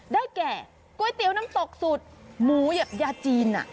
ได้แก่ก๋วยเตี๋ยวน้ำตกสูตรหมูยาจีนอ่ะ